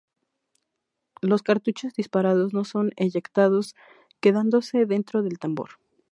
Los cartuchos disparados no son eyectados, quedándose dentro del tambor.